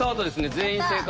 全員正解。